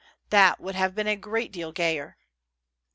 That would have been a great deal gayer.